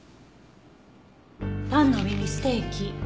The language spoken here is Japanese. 「パンの耳ステーキ」